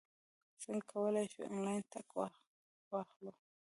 څنګه کولای شو، انلاین ټکټ واخلو؟